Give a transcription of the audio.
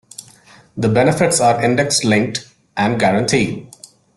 The benefits are index-linked and guaranteed.